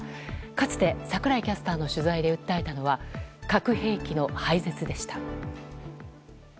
かつて、櫻井キャスターの取材で訴えたのは核兵器の廃絶でした。